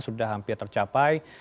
sudah hampir tercapai